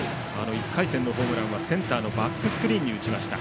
１回戦のホームランはセンターのバックスクリーンに打ちました。